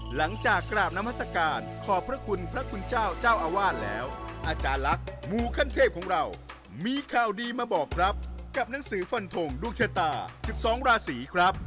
หลังจากกราบนามัศกาลขอบพระคุณพระคุณเจ้าเจ้าอาวาสแล้วอาจารย์ลักษณ์มูขั้นเทพของเรามีข่าวดีมาบอกครับกับหนังสือฟันทงดวงชะตา๑๒ราศีครับ